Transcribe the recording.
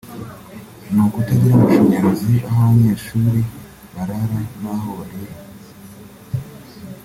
ni ukutagira amashanyarazi aho abanyeshuri barara n’aho barira